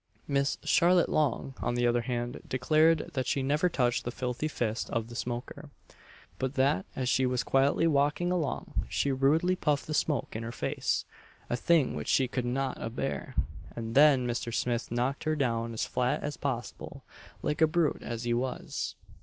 Miss Charlotte Long, on the other hand, declared that she never touched the filthy fist of the smoker but that as she was quietly walking along, he rudely puffed the smoke in her face a thing which she could not a bear and then Mr. Smith knocked her down as flat as possible like a brute as he was.